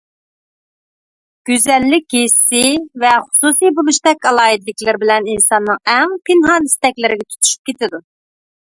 گۈزەللىك ھېسسىي ۋە خۇسۇسىي بولۇشتەك ئالاھىدىلىكلىرى بىلەن ئىنساننىڭ ئەڭ پىنھان ئىستەكلىرىگە تۇتىشىپ كېتىدۇ.